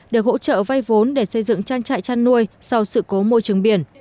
được hỗ trợ vay vốn để xây dựng trang trại chăn nuôi sau sự cố môi trường biển